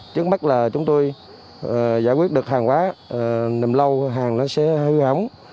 trước mắt là chúng tôi giải quyết được hàng hóa nằm lâu hàng nó sẽ hư hóng